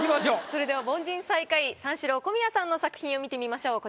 それでは凡人最下位三四郎小宮さんの作品を見てみましょう。